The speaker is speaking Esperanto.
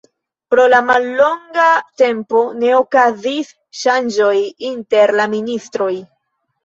Pro la mallonga tempo ne okazis ŝanĝoj inter la ministroj.